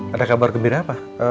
ada kabar gembira apa